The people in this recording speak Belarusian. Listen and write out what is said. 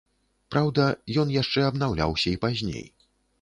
Праўда, ён яшчэ абнаўляўся і пазней.